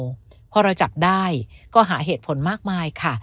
ก็แค่ว่าเราจับได้เขาหาเหตุผลมากมายค่ะ